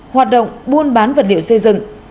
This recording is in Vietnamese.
hoạt động buôn bán vật liệu xây dựng